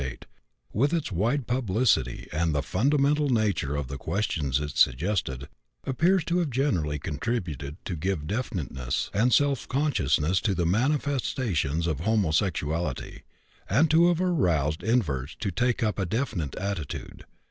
48), with its wide publicity, and the fundamental nature of the questions it suggested, appears to have generally contributed to give definiteness and self consciousness to the manifestations of homosexuality, and to have aroused inverts to take up a definite attitude.